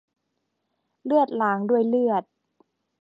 เลือดล้างด้วยเลือด